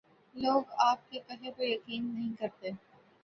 لو گ آپ کے کہے پہ یقین نہیں کرتے۔